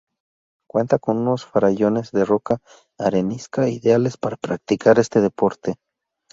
Cuenta con unos farallones de roca arenisca ideales para practicar este deporte.